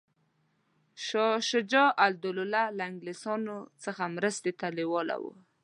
شجاع الدوله له انګلیسیانو څخه مرستې ته لېواله وو.